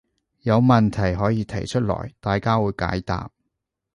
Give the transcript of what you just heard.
有問題可以提出來，大家會解答